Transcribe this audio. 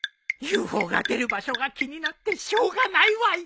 ＵＦＯ が出る場所が気になってしょうがないわい！